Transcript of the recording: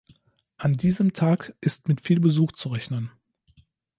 An diesem Tag ist mit viel Besuch zu rechnen.